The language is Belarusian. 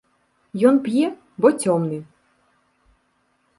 Ён п'е, бо цёмны.